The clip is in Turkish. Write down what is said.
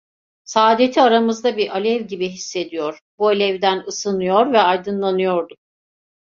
Saadeti aramızda bir alev gibi hissediyor, bu alevden ısınıyor ve aydınlanıyorduk…